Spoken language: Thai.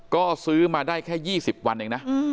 ก็ซื้อมาได้แค่๒๐วันเองนะ